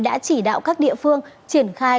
đã chỉ đạo các địa phương triển khai